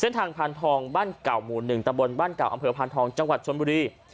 เส้นทางพันธองบ้านเก่าหมู่หนึ่งตำบลบ้านเก่าอำเภอพันธองจังหวัดชนบุรี